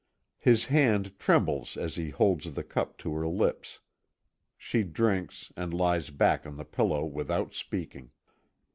His hand trembles as he holds the cup to her lips. She drinks and lies back on the pillow without speaking.